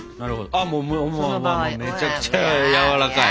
あもうもうめちゃくちゃやわらかい。